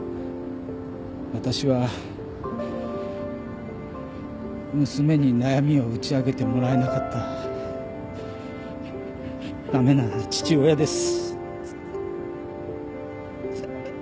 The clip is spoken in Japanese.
私は娘に悩みを打ち明けてもらえなかった駄目な父親です。